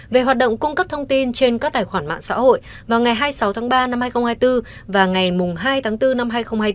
về hoạt động cung cấp thông tin trên các tài khoản mạng xã hội vào ngày hai mươi sáu tháng ba năm hai nghìn hai mươi bốn và ngày hai tháng bốn năm hai nghìn hai mươi bốn